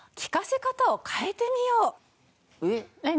えっ？